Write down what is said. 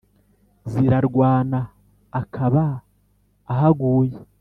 zirarwana akaba ahaguye